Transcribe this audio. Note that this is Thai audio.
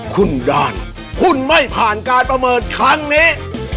คุณดานคุณไม่ผ่านการประเมินครั้งนี้